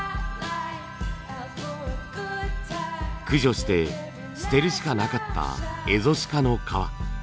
駆除して捨てるしかなかったエゾシカの革。